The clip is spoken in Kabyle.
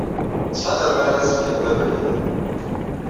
Ttḥadar mi ara tzegred abrid.